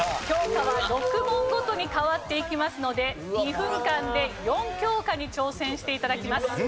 教科は６問ごとに変わっていきますので２分間で４教科に挑戦して頂きます。